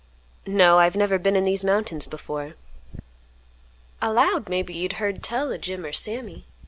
"No, I have never been in these mountains before." "I 'lowed maybe you'd heard tell o' Jim or Sammy.